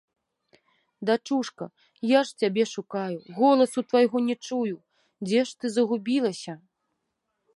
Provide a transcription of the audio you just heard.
Дачушка, я ж цябе шукаю, голасу твайго не чую, дзе ж ты загубілася?